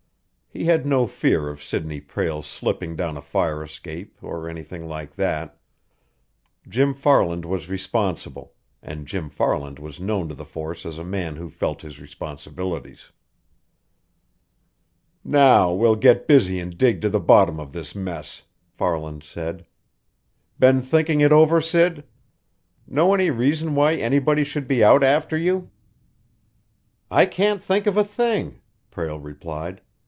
He had no fear of Sidney Prale slipping down a fire escape, or anything like that. Jim Farland was responsible, and Jim Farland was known to the force as a man who felt his responsibilities. "Now we'll get busy and dig to the bottom of this mess," Farland said. "Been thinking it over, Sid? Know any reason why anybody should be out after you?" "I can't think of a thing," Prale replied.